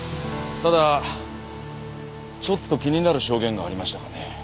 ただちょっと気になる証言がありましたがね。